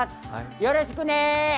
よろしくね！